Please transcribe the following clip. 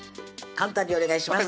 簡単にお願いします